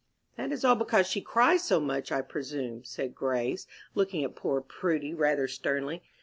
"That is all because she cries so much, I presume," said Grace, looking at poor Prudy rather sternly.